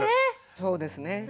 そうですね。